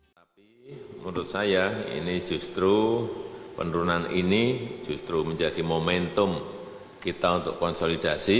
tapi menurut saya ini justru penurunan ini justru menjadi momentum kita untuk konsolidasi